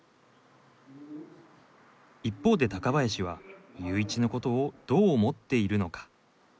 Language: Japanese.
一方で高林はユーイチのことをどう思っているのか。